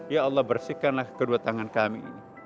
ya allah bersihkanlah kedua tangan kami